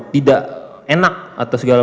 tidak enak atau segala